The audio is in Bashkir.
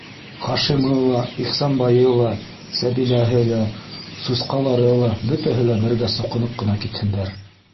Хашимы ла, Ихсанбайы ла, Сәбиләһе лә, сусҡалары ла бөтәһе бергә суҡынып ҡына китһендәр!